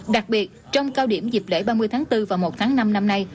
đặc biệt trong cao điểm dịp lễ ba mươi tháng bốn và một tháng năm năm nay